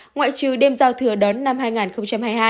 ngoại trừ đêm giao thừa đón năm hai nghìn hai mươi hai